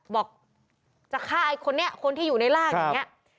บอกจะฆ่าคนที่อยู่ในร่างอย่างนี้